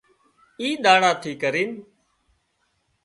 اِي ۮاڙا ٿِي ڪرينَ